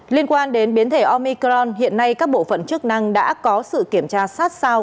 liên quan đến biến thể omicron hiện nay các bộ phận chức năng đã có sự kiểm tra sát sao